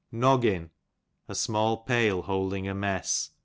Noggin, a small pale holding a niess.